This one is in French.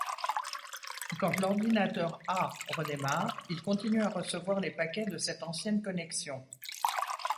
Quand l'ordinateur A redémarre, il continue à recevoir les paquets de cette ancienne connexion.